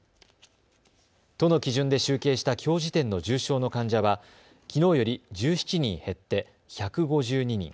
都の基準で集計したきょう時点の重症の患者はきのうより１７人減って１５２人。